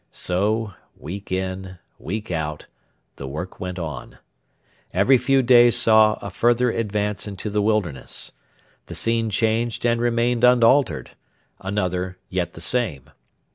So, week in, week out, the work went on. Every few days saw a further advance into the wilderness. The scene changed and remained unaltered 'another, yet the same.'